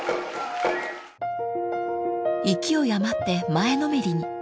［勢い余って前のめりに］